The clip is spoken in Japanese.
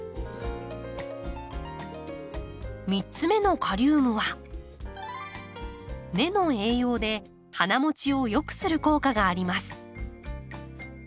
３つ目のカリウムは根の栄養で花もちを良くする効果があります。